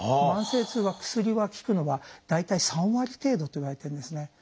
慢性痛は薬が効くのは大体３割程度といわれてるんですね。